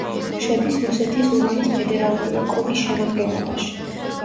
შედის რუსეთის ურალის ფედერალური ოკრუგის შემადგენლობაში.